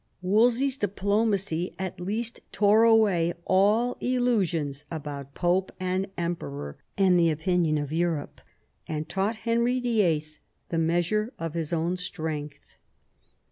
Wolsey's diplomacy at least tore away all illusions about Pope and Emperor, and the opinion of Europe, and taught Henry YIII. the measure of his own strength.